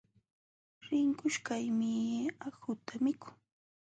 Rinqushkaqmi akhuta mikun.